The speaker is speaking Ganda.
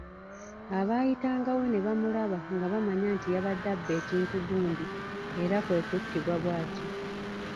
Abaayitangawo ne bamulaba nga bamanya nti yabadde abba ekintu gundi era kwe kuttibwa bw’atyo.